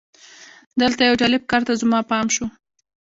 دلته یو جالب کار ته زما پام شو.